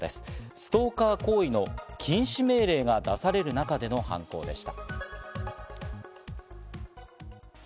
ストーカー行為の禁止命令が出される中での犯行でした。